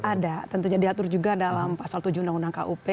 ada tentunya diatur juga dalam pasal tujuh undang undang kup